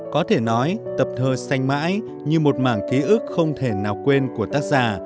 có thể nói tập thơ xanh mãi như một mảng ký ức không thể nào quên của tác giả